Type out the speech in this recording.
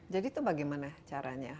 jadi itu bagaimana caranya